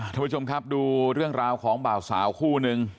ท่านผู้ชมครับดูเรื่องราวของบ่าวสาวคู่นึง